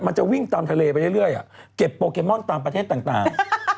มันจะวิ่งตามทะเลไปเรื่อยเก็บโปเกมอนตามประเทศต่าง